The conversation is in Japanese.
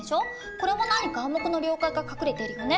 これも何か「暗黙の了解」が隠れているよね。